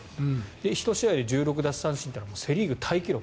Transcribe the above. １試合で１６奪三振というのはセ・リーグタイ記録。